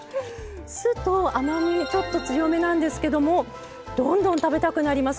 酢と甘みちょっと強めなんですけどもどんどん食べたくなります。